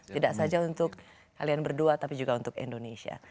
tidak saja untuk kalian berdua tapi juga untuk indonesia